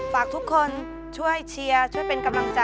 ฝากทุกคนช่วยเชียร์ช่วยเป็นกำลังใจ